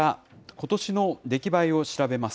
ことしの出来栄えを調べます。